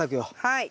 はい。